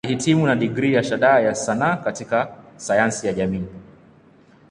Alihitimu na digrii ya Shahada ya Sanaa katika Sayansi ya Jamii.